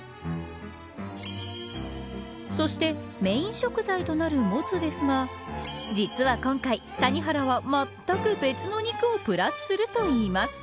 そしてメーン食材となるもつですが実は今回、谷原はまったく別の肉をプラスするといいます。